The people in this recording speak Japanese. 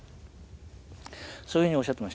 そういうふうにおっしゃってました。